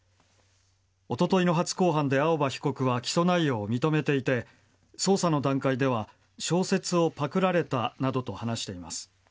おとといの初公判で青葉被告は起訴内容を認めていて捜査の段階では小説をパクられたなどと話しています。